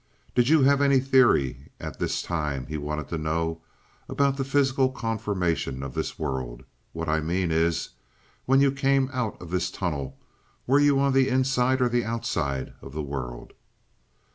"Did you have any theory at this time" he wanted to know "about the physical conformation of this world? What I mean is, when you came out of this tunnel were you on the inside or the outside of the world?"